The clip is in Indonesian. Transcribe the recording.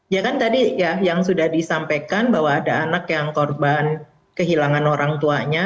ya kan tadi ya yang sudah disampaikan bahwa ada anak yang korban kehilangan orang tuanya